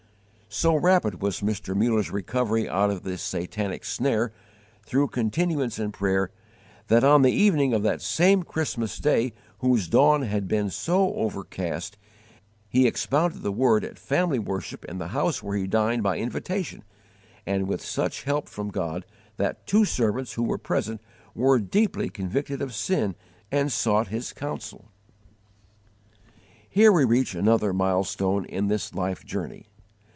So rapid was Mr. Muller's recovery out of this Satanic snare, through continuance in prayer, that, on the evening of that same Christmas day whose dawn had been so overcast, he expounded the Word at family worship in the house where he dined by invitation, and with such help from God that two servants who were present were deeply convicted of sin and sought his counsel. Here we reach another mile stone in this life journey.